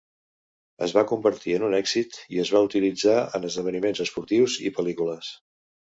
Es va convertir en un èxit, i es va utilitzar en esdeveniments esportius i pel·lícules.